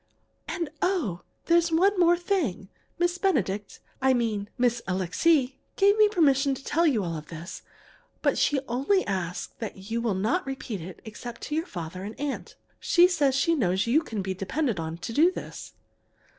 "And oh! there's one thing more. Miss Benedict I mean Miss Alixe gave me permission to tell you all this, but she only asks that you will not repeat it except to your father and aunt. She says she knows you can be depended on to do this."